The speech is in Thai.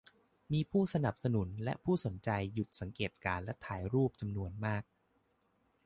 มีผู้สนับสนุนและผู้สนใจหยุดสังเกตการณ์และถ่ายรูปจำนวนมาก